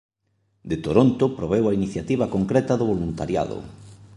De Toronto proveu a iniciativa concreta do voluntariado.